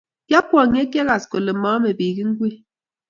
Kiakwong' ye kiagas kole maame piik ingwek.